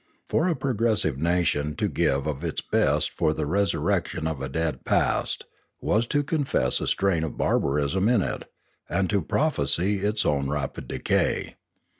For a progressive nation to give of its best for the resurrec tion of a dead past was to confess a strain of barbarism in it, and to prophesy its own rapid decay.